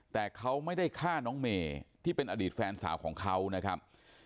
แต่เขาไม่ได้ฆ่าน้องเมย์ที่เป็นอดีตแฟนสาวของเขานะครับ